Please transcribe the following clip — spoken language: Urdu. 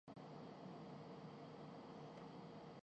جو ہم پہ گزری سو گزری مگر شب ہجراں